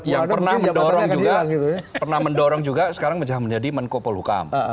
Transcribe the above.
yang pernah mendorong juga sekarang menjadi menkopol hukam